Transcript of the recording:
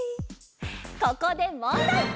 ここでもんだい！